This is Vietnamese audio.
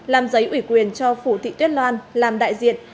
làm giấy ủy quyền cho phù thị tuyết loan làm đại diện